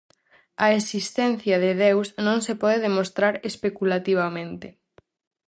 A existencia de Deus non se pode demostrar especulativamente.